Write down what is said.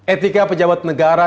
etika pejabat negara